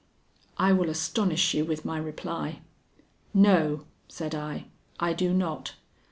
I will astonish you with my reply. "No," said I, "I do not.